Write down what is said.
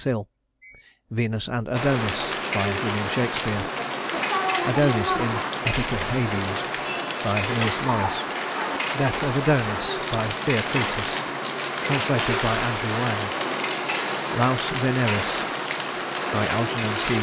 SILL Venus and Adonis WILLIAM SHAKESPEARE Adonis in "Epic of Hades" LEWIS MORRIS Death of Adonis THEOCRITUS, trans. by ANDREW LANG Laus Veneris ALGERNON C.